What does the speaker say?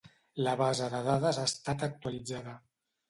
La base de dades ha estat actualitzada.